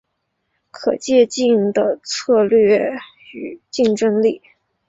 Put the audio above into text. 可借镜的策略与竞争力